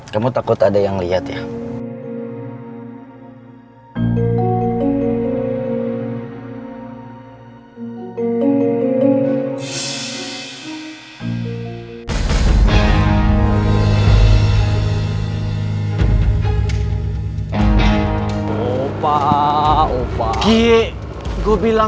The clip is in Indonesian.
kamu takut ada yang liat ya